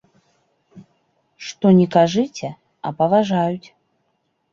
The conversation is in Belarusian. Што ні кажыце, а паважаюць!